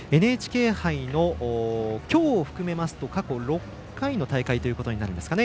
ＮＨＫ杯のきょうを含めますと過去６回の大会ということになるんですかね。